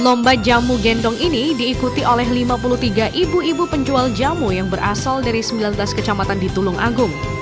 lomba jamu gendong ini diikuti oleh lima puluh tiga ibu ibu penjual jamu yang berasal dari sembilan belas kecamatan di tulung agung